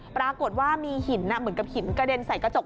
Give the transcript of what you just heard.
ปรากฏว่ามีหินเหมือนกับหินกระเด็นใส่กระจก